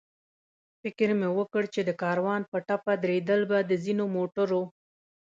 فکر مې وکړ چې د کاروان په ټپه درېدل به د ځینو موټرو.